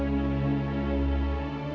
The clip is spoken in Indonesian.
oka dapat mengerti